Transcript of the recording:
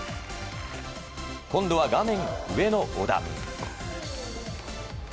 今度は画面上の小田。